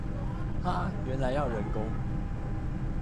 哈！原來要人工！